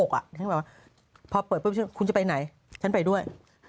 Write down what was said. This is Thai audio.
ฉันแบบว่าพอเปิดปุ๊บคุณจะไปไหนฉันไปด้วย